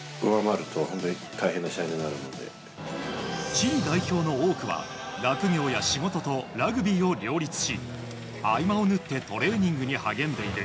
チリ代表の多くは学業や仕事とラグビーを両立し、合間を縫ってトレーニングに励んでいる。